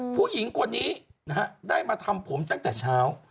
ผู้หญิงคนนี้นะฮะได้มาทำผมตั้งแต่เช้า